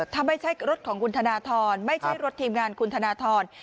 ถ้าไม่ใช่รถของคุณธนทรไม่ใช่รถทีมงานคุณธนทร